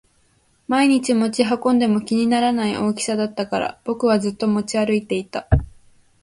毎日持ち運んでも気にならない大きさだったから僕はずっと持ち歩いていた